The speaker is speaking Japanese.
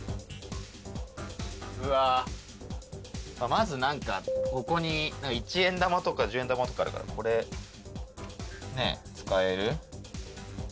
まず何かここに一円玉とか十円玉とかあるからこれねぇ使える？